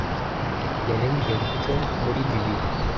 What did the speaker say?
yaremye iyo mico muri bibiri